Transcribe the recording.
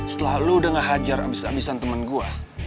setelah lo udah ngehajar abisan abisan temen gua